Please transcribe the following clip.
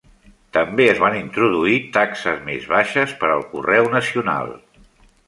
També es van introduir taxes més baixes per al correu nacional.